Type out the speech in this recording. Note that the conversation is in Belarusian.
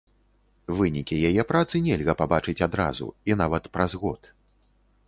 Вынікі яе працы нельга пабачыць адразу, і нават праз год.